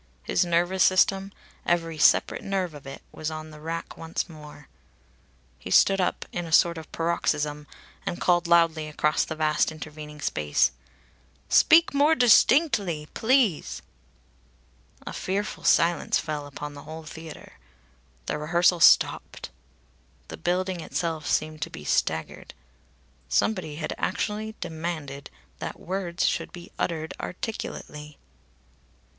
His nervous system, every separate nerve of it, was on the rack once more. He stood up in a sort of paroxysm and called loudly across the vast intervening space: "Speak more distinctly, please." A fearful silence fell upon the whole theatre. The rehearsal stopped. The building itself seemed to be staggered. Somebody had actually demanded that words should be uttered articulately!